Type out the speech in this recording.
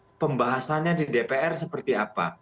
nah pembahasannya di dpr seperti apa